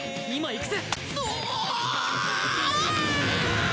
今行くぜ。